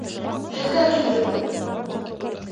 Һеҙгә килдеме?